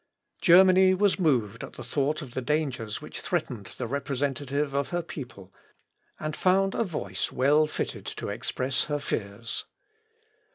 ] Germany was moved at the thought of the dangers which threatened the representative of her people, and found a voice well fitted to express her fears.